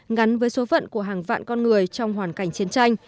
ngắn với số phận của hàng vạn con người trong hoàn cảnh chiến tranh